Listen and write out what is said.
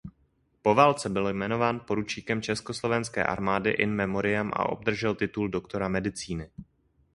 Po válce byl jmenován poručíkem československé armády in memoriam a obdržel titul doktora medicíny.